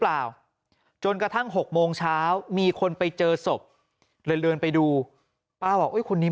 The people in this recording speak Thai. เปล่าจนกระทั่ง๖โมงเช้ามีคนไปเจอศพเลยเดินไปดูป้าบอกคนนี้